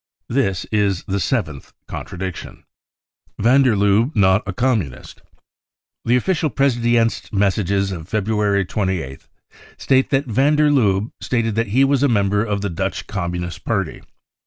This is the seventh contradiction. Van der Lubbe not a Communist. The official Pressedienst messages of February 281I1 state that van der Lubbe " stated that he was a member of the Dutch Com munist Party."